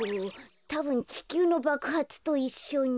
たぶんちきゅうのばくはつといっしょに。